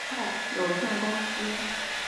建设开发股份有限公司